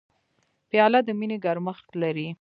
پیاله د مینې ګرمښت لري.